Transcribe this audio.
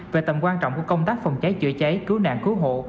về tầm quan trọng của công tác phòng trái chữa trái cứu nạn cứu hộ